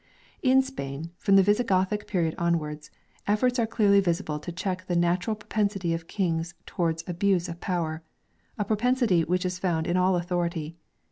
In Spain, from the Visigothic period onwards, efforts are clearly visible to check the natural pro pensity of kings towards abuse of power a propensity which is found in all authority.